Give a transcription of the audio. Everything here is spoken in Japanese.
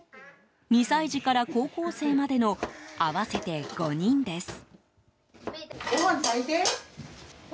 ２歳児から高校生までの合わせて５人です。